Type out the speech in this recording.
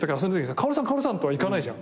「薫さん薫さん」とはいかないじゃん。